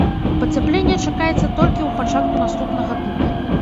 Пацяпленне чакаецца толькі ў пачатку наступнага тыдня.